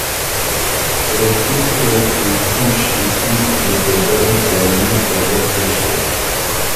Et, puisque tu couches ici, je te donne la nuit pour réfléchir...